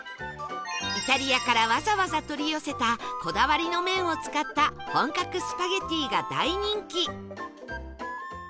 イタリアからわざわざ取り寄せたこだわりの麺を使った本格スパゲティが大人気